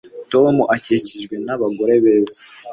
Tom akikijwe nabagore beza